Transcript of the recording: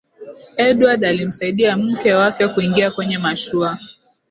edward alimsaidia mke wake kuingia kwenye mashua